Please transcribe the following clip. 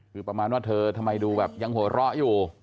คือประมาณว่าเธอทำไมดูแบบยังหัวเราะอยู่